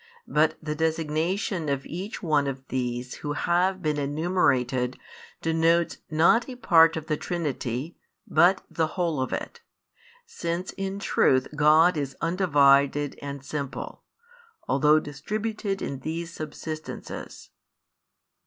But the designation of each one of These Who have been enumerated denotes not a part of the Trinity, but the Whole of It; since in truth God is undivided and simple, although distributed in These Subsistences.